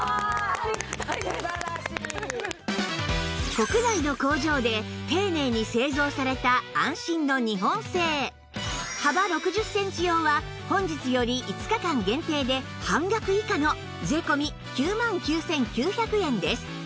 国内の工場で丁寧に製造された幅６０センチ用は本日より５日間限定で半額以下の税込９万９９００円です